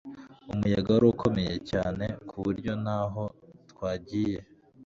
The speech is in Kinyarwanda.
umuyaga wari ukomeye cyane kuburyo ntaho twagiye